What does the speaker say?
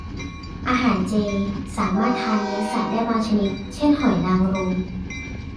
อาหารเจ สามารถทานเนื้อสัตว์บางชนิดได้ เช่นหอยนางรม